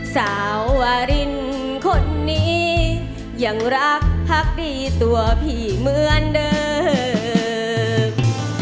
สาววารินคนนี้ยังรักพักดีตัวพี่เหมือนเดิม